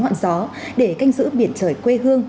hoạn gió để canh giữ biển trời quê hương